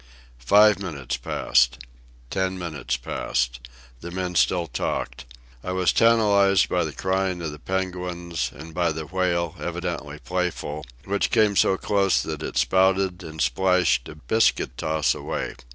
Five minutes passed. Ten minutes passed. The men still talked. I was tantalized by the crying of the penguins, and by the whale, evidently playful, which came so close that it spouted and splashed a biscuit toss away.